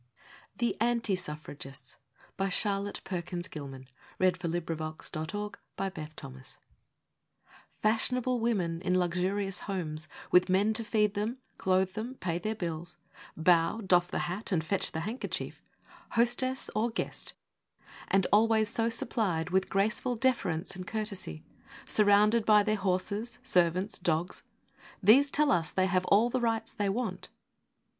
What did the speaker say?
ng duress, Our shameless, harem idleness, Both fail to serve the child. THE ANTI SUFFRAGISTS * Fashionable women in luxurious homes, With men to feed them, clothe them, pay their bills, Bow, doff the hat, and fetch the handkerchief; Hostess or guest; and always so supplied With graceful deference and courtesy; Surrounded by their horses, servants, dogs These tell us they have all the rights they want.